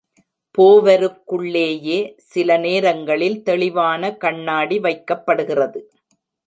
போவருக்குள்ளேயே சில நேரங்களில் தெளிவான கண்ணாடி வைக்கப்படுகிறது.